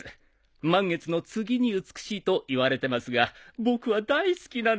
満月の次に美しいといわれてますが僕は大好きなんですよ。